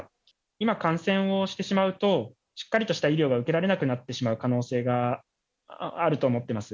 今、感染をしてしまうと、しっかりとした医療が受けられなくなってしまう可能性があると思っています。